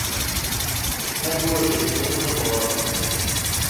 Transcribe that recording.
Еснагь илахь еиқәҵаны дныҟәалароуп.